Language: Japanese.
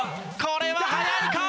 これは速いか？